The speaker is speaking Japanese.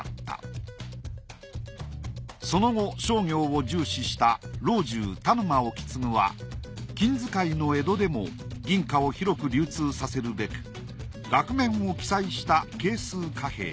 その後商業を重視した老中田沼意次は金遣いの江戸でも銀貨を広く流通させるべく額面を記載した計数貨幣